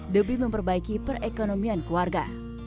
lebih memperbaiki perekonomian keluarga